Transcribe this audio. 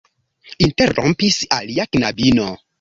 interrompis alia knabino.